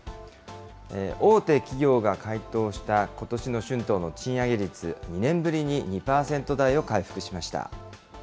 大手企業が回答したことしの春闘の賃上げ率、２年ぶりに２％台を回復しました。